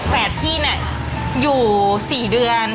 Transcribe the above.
แฝดพี่น่ะอยู่๔เดือน